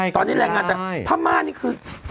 ตอนนี้แรงงานใบถ้ามาจริงคือ